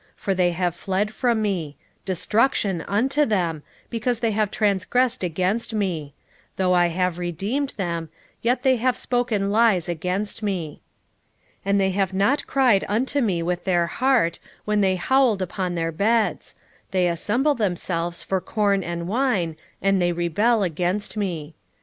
for they have fled from me: destruction unto them! because they have transgressed against me: though I have redeemed them, yet they have spoken lies against me. 7:14 And they have not cried unto me with their heart, when they howled upon their beds: they assemble themselves for corn and wine, and they rebel against me.